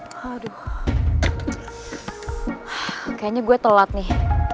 kayaknya gue telat nih